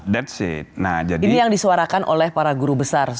nah jadi ini yang disuarakan oleh para guru besar